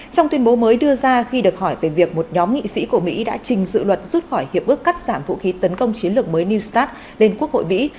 trong tuyên bố mới đưa ra khi được hỏi về việc một nhóm nghị sĩ của mỹ đã trình dự luật rút khỏi hiệp ước cắt giảm vũ khí tấn công chiến lược mới new start lên quốc hội mỹ